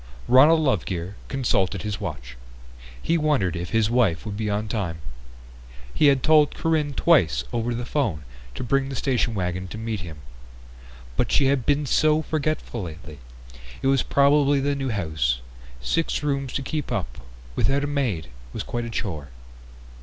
Ronald Lovegear consulted his watch. He wondered if his wife would be on time. He had told Corinne twice over the phone to bring the station wagon to meet him. But she had been so forgetful lately. It was probably the new house; six rooms to keep up without a maid was quite a chore.